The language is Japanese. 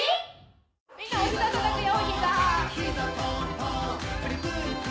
みんなおひざたたくよおひざ。